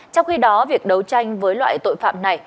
trong khi đó việc đấu tranh với loại tội phạm này